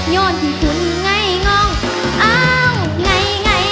ย้อนถิ่กคุณไงงองเอ้าไง